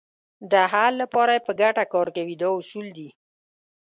د حل لپاره یې په ګټه کار کوي دا اصول دي.